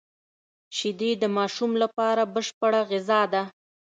شیدې د ماشوم لپاره بشپړه غذا ده